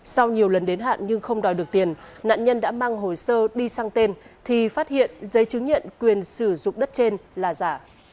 sau nhiều lần đến hạn nhưng không đòi được tiền nạn nhân đã mang hồ sơ đi sang tên thì phát hiện giấy chứng nhận quyền sử dụng đất trên là giả